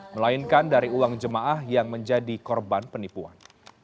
melainkan dari uang jemaah yang menjadi korban penipuan